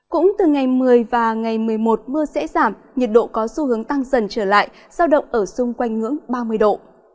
cũng từ ngày một mươi và ngày một mươi một mưa sẽ giảm nhiệt độ có xu hướng tăng dần trở lại giao động ở xung quanh ngưỡng ba mươi độ